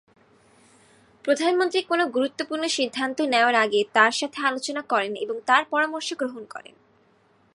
প্রধানমন্ত্রী যেকোনো গুরুত্বপূর্ণ সিদ্ধান্ত নেওয়ার আগে তার সাথে আলোচনা করেন এবং তার পরামর্শ গ্রহণ করেন।